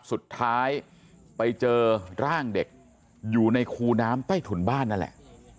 สุดท้ายไปเจอร่างเด็กอยู่ในคูน้ำใต้ถุนบ้านนั่นแหละ